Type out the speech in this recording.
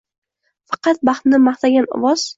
Faqat baxtni maqtagan ovoz: